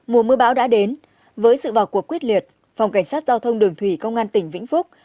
mùa mưa bão đã đến với sự vào cuộc quyết liệt phòng cảnh sát giao thông đường thủy công an tỉnh vĩnh phúc